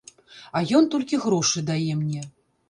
А ён толькі грошы дае мне.